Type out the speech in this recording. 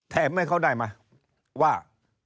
แถมให้เขาได้ไหมว่า